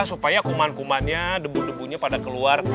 supaya kuman kumannya debu debunya pada keluar